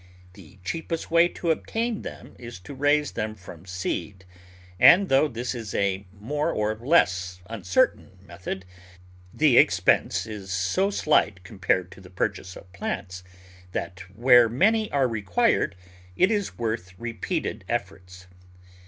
The cheapest way to obtain them is to raise them from seed and, though this is a more or less uncertain method, the expense is so slight com pared to the purchase of plants that where many are required it is worth repeated efforts.